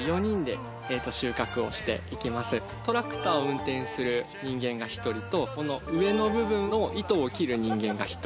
トラクターを運転する人間が１人とこの上の部分の糸を切る人間が１人。